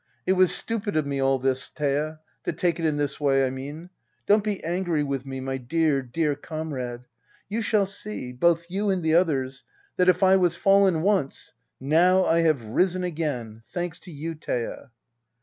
] It was stupid of me ail this, Thea — to take it in this way, I mean. Don't be angry with me, my dear, dear comrade. You shall see — both you and the others — that if I was fallen once — now I have risen again! Thanks to you, Thea.